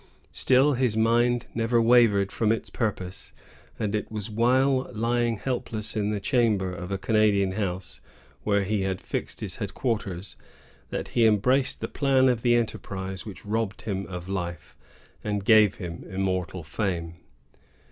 Still his mind never wavered from its purpose; and it was while lying helpless in the chamber of a Canadian house, where he had fixed his headquarters, that he embraced the plan of the enterprise which robbed him of life, and gave him immortal fame.